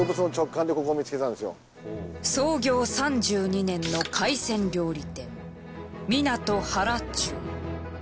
創業３２年の海鮮料理店湊原忠。